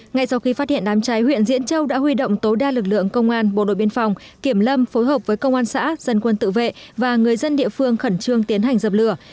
ngay sau khi phát hiện đám cháy huyện diễn châu đã huy động tối đa lực lượng công an bộ đội biên phòng kiểm lâm phối hợp với công an xã dân quân tự vệ và người dân địa phương khẩn trương tiến hành dập lửa